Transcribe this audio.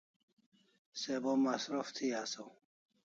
Se bo masruf thi asaw